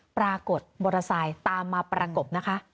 ปรากฏมอเตอร์ไซค์ตามมาประกบนะคะ